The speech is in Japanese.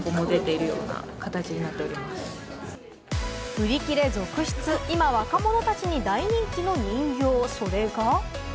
売り切れ続出、今、若者たちに大人気の人形、それが。